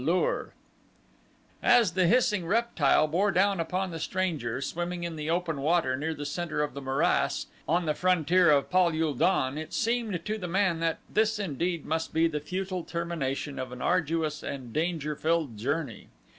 8 A lur As the hissing reptile bore down upon the stranger swimming in the open water near the center of the morass on the frontier of Pal ul don it seemed to the man that this indeed must be the futile termination of an arduous and danger filled journey.